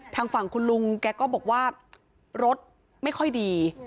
ทางฝั่งคุณลุงแกก็บอกว่ารถไม่ค่อยดี